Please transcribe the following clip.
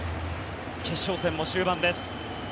決勝戦も終盤です。